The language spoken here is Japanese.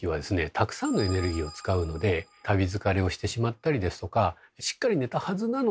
たくさんのエネルギーを使うので「旅疲れ」をしてしまったりですとかしっかり寝たはずなのにですね